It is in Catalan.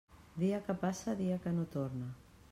Dia que passa, dia que no torna.